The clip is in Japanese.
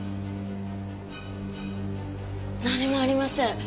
何もありません。